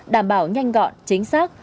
đảm bảo nhanh gọn chính xác